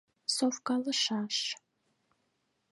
Совкалышаш!